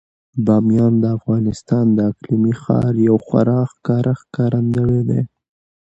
بامیان د افغانستان د اقلیمي نظام یو خورا ښه ښکارندوی دی.